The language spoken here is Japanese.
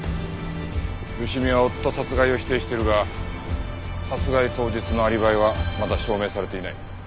佳美は夫殺害を否定しているが殺害当日のアリバイはまだ証明されていない。